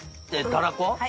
たらこ。